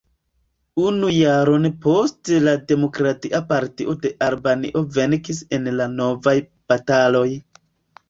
Unu jaron poste la Demokratia Partio de Albanio venkis en la novaj balotoj.